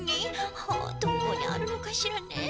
はあどこにあるのかしらねえ。